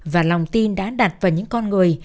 và lòng tin đã đặt vào những con người